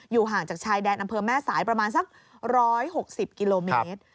ห่างจากชายแดนอำเภอแม่สายประมาณสัก๑๖๐กิโลเมตร